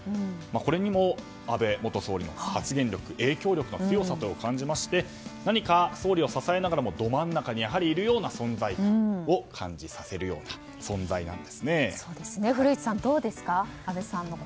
これにも安倍元総理の影響力の強さを感じまして何か総理を支えながらもど真ん中にいるような存在感を感じさせるような古市さん、どうですか？